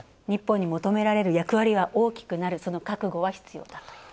日本に求められる役割は大きくなる、その覚悟は必要だと。